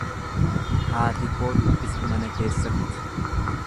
Haati koo dubbisa mana keessatti.